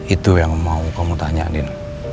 itu yang mau kamu tanyain